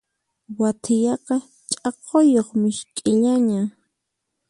Wathiyaqa ch'akuyuq misk'illana.